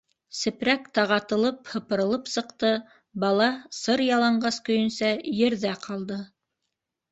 Сепрәк тағатылып һыпырылып сыҡты, бала сыр яланғас көйөнсә ерҙә ҡалды.